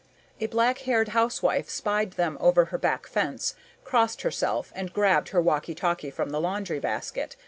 A black haired housewife spied them over her back fence, crossed herself and grabbed her walkie talkie from the laundry basket.